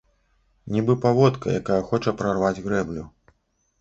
Нібы паводка, якая хоча прарваць грэблю.